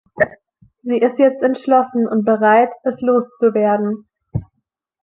Sie ist jetzt entschlossen und bereit, es loszuwerden.